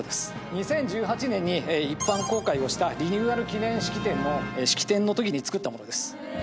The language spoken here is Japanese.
２０１８年に一般公開をしたリニューアル記念式典の式典の時に作ったものです。